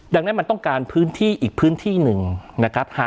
ดังนั้นมันต้องการพื้นที่อีกพื้นที่หนึ่งนะครับ